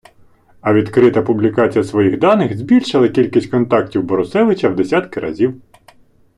А відкрита публікація своїх даних збільшила кількість контактів Борусевича в десятки разів.